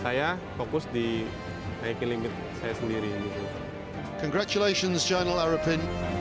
saya fokus di naikin limit saya sendiri